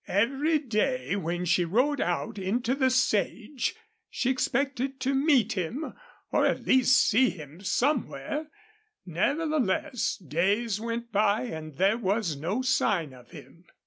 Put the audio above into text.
Every day when she rode out into the sage she expected to meet him, or at least see him somewhere; nevertheless days went by and there was no sign of him.